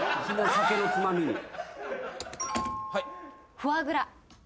フォアグラ。